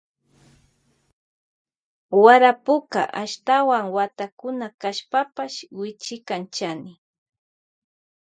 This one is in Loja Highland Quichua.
Warapuka ashtawan watakuna kashpapash wichikan chani.